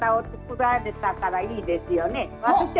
作られたからいいですよね。